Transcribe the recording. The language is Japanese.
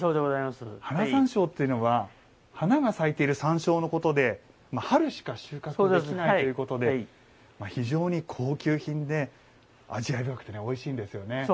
花山椒というのは花が咲いている山椒のことで春しか収穫できないということで非常に高級品で、味わい深くておいしいんですよね。